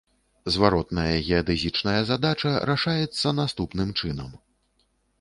Зваротная геадэзічная задача рашаецца наступным чынам.